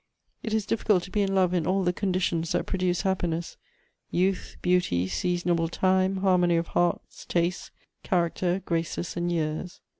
It is difficult to be in love in all the conditions that produce happiness: youth, beauty, seasonable time, harmony of hearts, tastes, character, graces, and years.